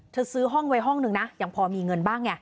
ซื้อห้องไว้ห้องนึงนะยังพอมีเงินบ้างไง